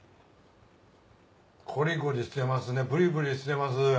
コリコリしてますねプリプリしてます！